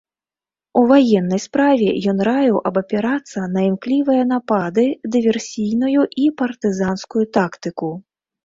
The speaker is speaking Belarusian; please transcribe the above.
У ваеннай справе ён раіў абапірацца на імклівыя напады, дыверсійную і партызанскую тактыку.